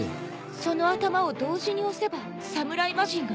その頭を同時に押せば侍魔人が蘇る。